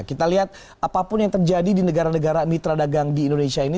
kita lihat apapun yang terjadi di negara negara mitra dagang di indonesia ini